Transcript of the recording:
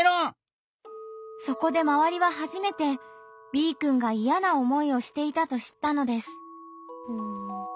そこで周りは初めてＢくんがいやな思いをしていたと知ったのです。